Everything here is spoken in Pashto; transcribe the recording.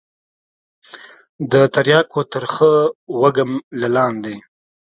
د ترياكو ترخه وږم له لاندې.